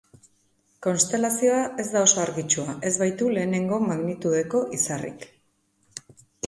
Konstelazioa ez da oso argitsua, ez baitu lehenengo magnitudeko izarrik.